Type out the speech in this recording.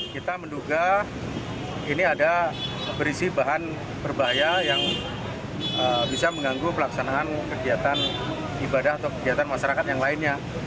kita menduga ini ada berisi bahan berbahaya yang bisa mengganggu pelaksanaan kegiatan ibadah atau kegiatan masyarakat yang lainnya